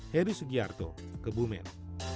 heri sugiarto kebumen